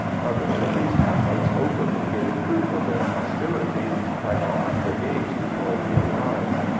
Others of these hamlets openly gave proof of their hostility by barring the gates before we arrived.